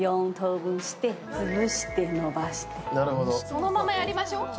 そのままやりましょ。